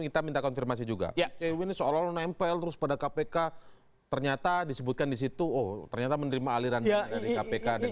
kita minta konfirmasi juga oke ini seolah olah nempel terus pada kpk ternyata disebutkan di situ oh ternyata menerima aliran dari kpk